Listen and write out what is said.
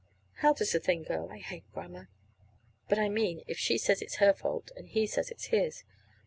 (How does the thing go? I hate grammar!) But I mean, if she says it's her fault, and he says it's his.